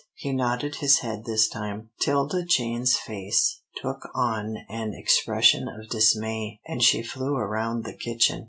He nodded his head this time. 'Tilda Jane's face took on an expression of dismay, and she flew around the kitchen.